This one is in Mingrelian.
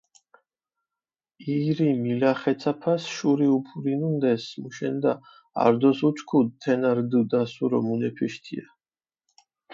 ირი მილახეცაფას შური უფურინუნდეს, მუშენდა არძოს უჩქუდჷ, თენა რდჷ დასურო მუნეფიშ თია.